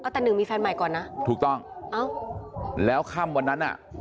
แต่หนึ่งมีแฟนใหม่ก่อนนะถูกต้องเอ้าแล้วค่ำวันนั้นอ่ะ